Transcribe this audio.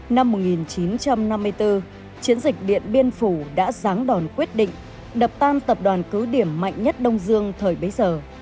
năm một nghìn chín trăm năm mươi bốn chiến dịch điện biên phủ đã ráng đòn quyết định đập tan tập đoàn cứ điểm mạnh nhất đông dương thời bấy giờ